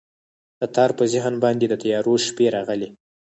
د تار په ذهن باندې، د تیارو شپې راغلي